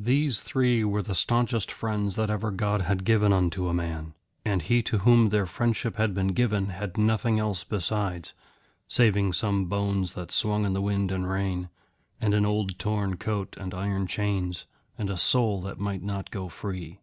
These three were the staunchest friends that ever God had given unto a man. And he to whom their friendship had been given had nothing else besides, saving some bones that swung in the wind and rain, and an old torn coat and iron chains, and a soul that might not go free.